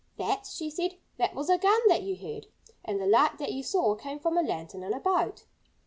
"That " she said "that was a gun that you heard. And the light that you saw came from a lantern in a boat."